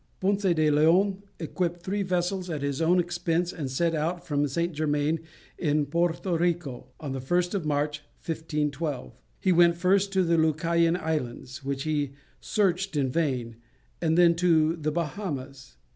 Ponce de Leon equipped three vessels at his own expense, and set out from St. Germain in Porto Rico on the 1st of March, 1512. He went first to the Lucayan Islands, which he searched in vain, and then to the Bahamas.